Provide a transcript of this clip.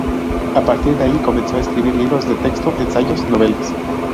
A partir de ahí comenzó a escribir libros de texto, ensayos, novelas.